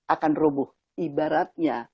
akan rubuh ibaratnya